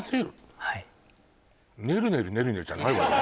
「ねるねるねるね」じゃないわよね